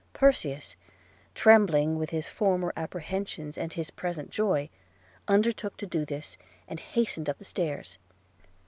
Perseus, trembling with his former apprehensions and his present joy, undertook to do this, and hastened up stairs.